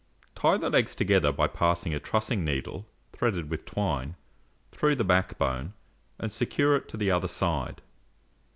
Tie the legs together by passing a trussing needle, threaded with twine, through the backbone, and secure it on the other side.